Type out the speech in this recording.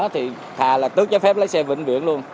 thì thà là tước chấp phép lái xe vĩnh viễn luôn